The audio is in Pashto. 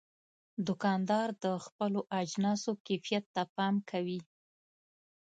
دوکاندار د خپلو اجناسو کیفیت ته پام کوي.